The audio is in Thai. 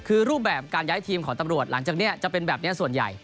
คือรูปแบบการย้ายทีมของตำรวจหลังจากนี้จะเป็นแบบนี้ส่วนใหญ่